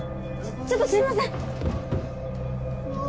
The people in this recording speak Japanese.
ちょっとすいません。